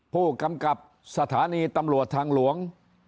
ผู้กำกับสถานีตำรวจทางหลวง